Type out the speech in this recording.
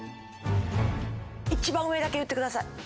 一番上だけ言ってください！